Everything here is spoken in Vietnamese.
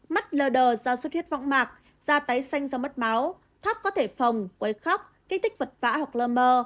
mắt lờ đờ do xuất hiện vọng mạc da tái xanh do mất máu thóc có thể phồng quấy khóc kích tích vật vã hoặc lờ mờ